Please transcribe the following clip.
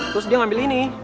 terus dia ngambil ini